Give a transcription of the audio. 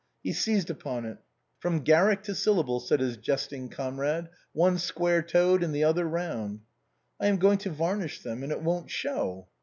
He seized upon it. " From Garrick to Syllable," * said his jesting comrade; " One square toed and the other round." " I am going to varnish them, and it won't show."